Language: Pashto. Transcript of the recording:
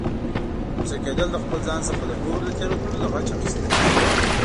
غوسه کیدل، د خپل ځان څخه د نورو د تیروتنو د غچ اخستل دي